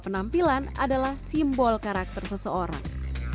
penampilan adalah simbol karakter seseorang